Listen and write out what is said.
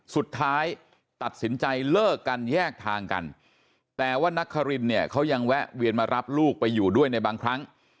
สุดท้ายตัดสินใจเลิกกันแยกทางกันแต่ว่านักคารินเนี่ยเขายังแวะเวียนมารับลูกไปอยู่ด้วยในบางครั้ง